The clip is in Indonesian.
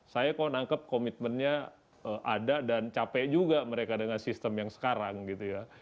saya kok nangkep komitmennya ada dan capek juga mereka dengan sistem yang sekarang gitu ya